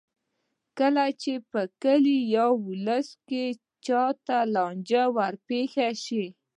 کله چې په کلي یا ولس کې چا ته لانجه ورپېښه شي.